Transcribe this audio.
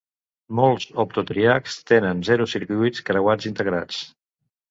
Molts optotríacs tenen zero circuits creuats integrats.